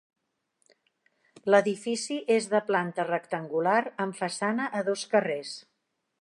L'edifici és de planta rectangular amb façana a dos carrers.